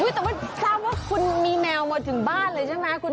แต่ไม่ทราบว่ามีแยวมันมาถึงบ้านเลยใช่ไหม